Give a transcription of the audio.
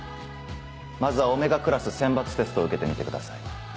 まずはΩクラス選抜テストを受けてみてください。